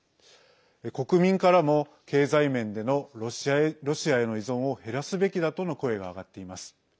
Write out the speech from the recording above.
国民からも経済面でのロシアへの依存を減らすべきだとの声が上がっています。